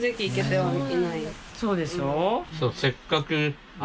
そうでしょ？